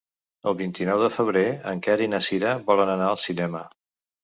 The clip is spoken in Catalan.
El vint-i-nou de febrer en Quer i na Cira volen anar al cinema.